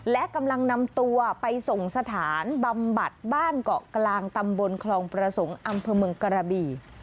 และกำลังนำตัวไปส่งสถานบำบัดบ้านเกาะกลางตำบลคลองประสงค์อำเภอเมืองกระบี่